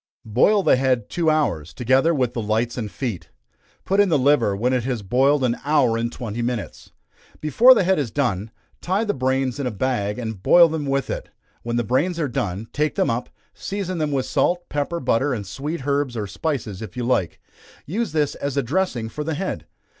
_ Boil the head two hours, together with the lights and feet. Put in the liver when it has boiled an hour and twenty minutes. Before the head is done, tie the brains in a bag, and boil them with it; when the brains are done, take them up, season them with salt, pepper, butter, and sweet herbs, or spices if you like use this as a dressing for the head.